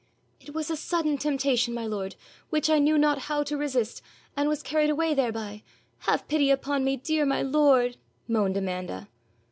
'It was a sudden temptation, my lord, which I knew not how to resist, and was carried away thereby. Have pity upon me, dear my lord,' moaned Amanda.